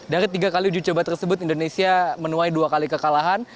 dari tiga kali uji coba tersebut indonesia menuai dua kali kekalahan